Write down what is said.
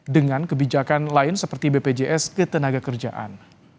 dengan kebijakan lain seperti bpjs ketenagakerjaan